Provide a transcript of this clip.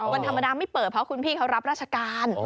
วันธรรมดาไม่เปิดเพราะคุณพี่เขารับราชการ